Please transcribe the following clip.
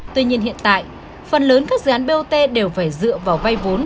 tuy nhiên hiện tại phần lớn các dự án bot đều phải dựa vào vay vốn